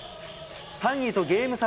３位とゲーム差